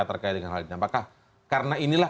terkait dengan hal ini apakah karena inilah